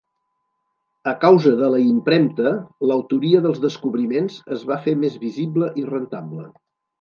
A causa de la impremta, l'autoria dels descobriments es va fer més visible i rentable.